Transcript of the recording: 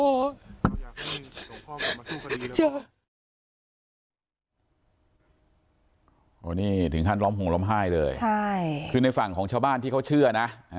วันนี้ถึงท่านร้อมห่วงร้อมไห้เลยคือในฝั่งของชาวบ้านที่เขาเชื่อนะ